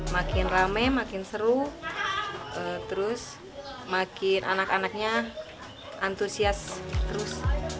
makin rame makin seru terus makin anak anaknya antusias terus